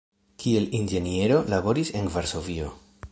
Kiel inĝeniero laboris en Varsovio.